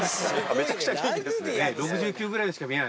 めちゃくちゃ元気ですね。